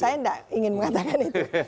saya tidak ingin mengatakan itu